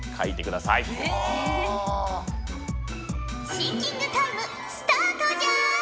シンキングタイムスタートじゃ！